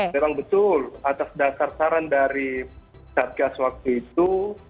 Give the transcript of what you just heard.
memang betul atas dasar saran dari satgas waktu itu